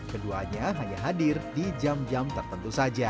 keduanya hanya hadir di jam jam tertentu saja